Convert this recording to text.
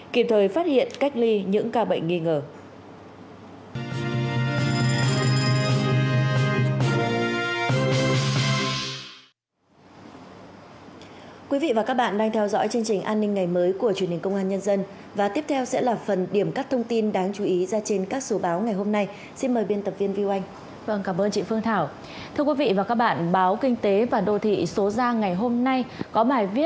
kịp thời phát hiện cách ly những ca bệnh nghi ngờ